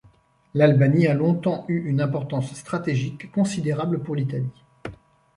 L'Albanie a longtemps eu une importance stratégique considérable pour l'Italie.